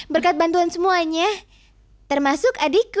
berkat bantuan semuanya termasuk adikku